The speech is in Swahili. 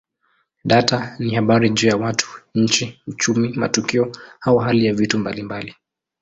Data ni habari juu ya watu, nchi, uchumi, matukio au hali ya vitu mbalimbali.